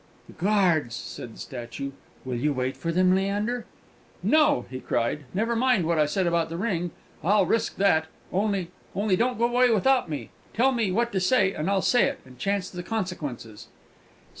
"The guards!" said the statue. "Will you wait for them, Leander?" "No!" he cried. "Never mind what I said about the ring; I'll risk that. Only only, don't go away without me.... Tell me what to say, and I'll say it, and chance the consequences!"